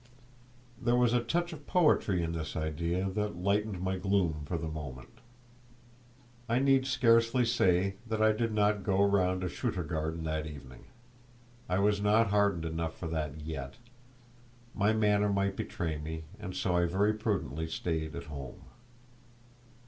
There was a touch of poetry in this idea that lightened my gloom for the moment. I need scarcely say that I did not go round to Shuturgarden that evening. I was not hardened enough for that yet; my manner might betray me, and so I very prudently stayed at home.